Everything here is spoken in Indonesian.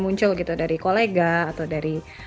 muncul gitu dari kolega atau dari